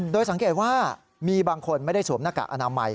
โดยสังเกตว่ามีบางคนไม่ได้สวมหน้ากากอนามัย